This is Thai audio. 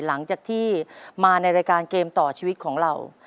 หลังจากที่มาในรายการเกมต่อชีวิตของเรา